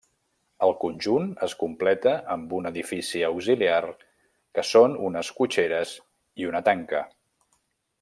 El conjunt es completa amb un edifici auxiliar que són unes cotxeres i una tanca.